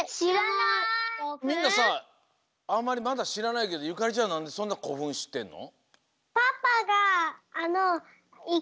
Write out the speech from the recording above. みんなさあんまりまだしらないけどゆかりちゃんなんでそんなこふんしってんの？